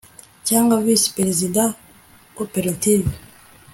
cyangwa visi perezida koperative